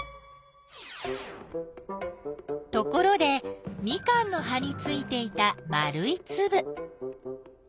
ところでミカンの葉についていた丸いつぶ。